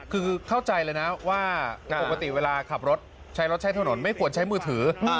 คือเข้าใจเลยนะว่าปกติเวลาขับรถใช้รถใช้ถนนไม่ควรใช้มือถือ